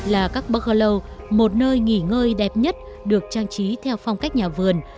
là các burgallow một nơi nghỉ ngơi đẹp nhất được trang trí theo phong cách nhà vườn